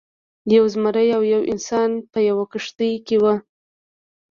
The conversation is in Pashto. یو زمری او یو انسان په یوه کښتۍ کې وو.